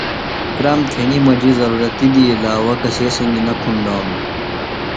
کرام تھئینی مجیۡ ضرورَتیۡ دی عِلاوہ کسے سنگیۡ نہ کُھنڈانوۡ۔